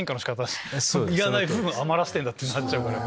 いらない部分余らせてんだってなっちゃうから。